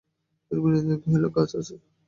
বিনোদিনী কহিল, কাজ আছে।